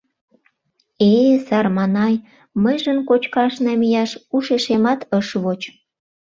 — Э-э, сарманай, мыйжын кочкаш намияш ушешемат ыш воч.